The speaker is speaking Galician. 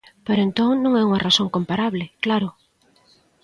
Pero entón non é unha razón comparable, claro.